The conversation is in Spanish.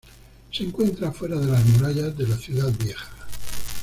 Se encuentra fuera de las murallas de la ciudad vieja.